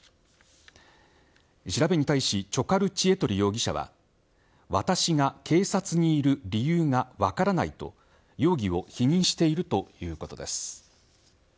調べに対しチョカルチエトリ容疑者は私が警察にいる理由が分からないと容疑を否認しているということです。